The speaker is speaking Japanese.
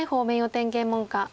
天元門下。